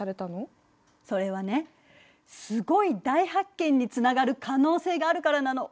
それはねすごい大発見につながる可能性があるからなの。